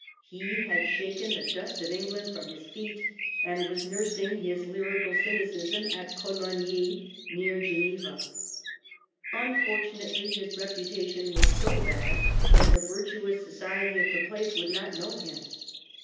He had shaken the dust of England from his feet, and was nursing his lyrical cynicism at Cologny near Geneva. Unfortunately, his reputation was so bad that the virtuous society of the place would not know him.